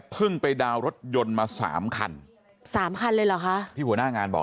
เพิ่งไปดาวน์รถยนต์มา๓คัน๓คันเลยหรอคะพี่หัวหน้างานบอก